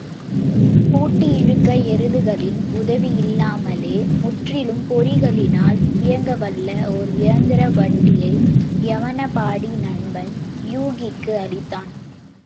பூட்டி இழுக்க எருதுகளின் உதவியில்லாமலே, முற்றிலும் பொறிகளினால் இயங்கவல்ல ஒர் எந்திர வண்டியை, யவனப்பாடி நண்பன் யூகிக்கு அளித்தான்.